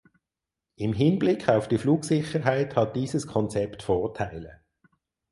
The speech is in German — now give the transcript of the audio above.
Im Hinblick auf die Flugsicherheit hat dieses Konzept Vorteile.